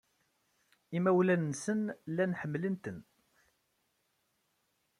Imawlan-nsen llan ḥemmlen-ten.